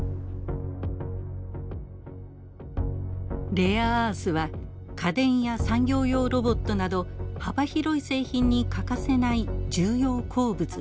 レアアースは家電や産業用ロボットなど幅広い製品に欠かせない重要鉱物です。